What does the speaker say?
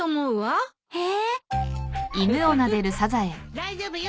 大丈夫よ。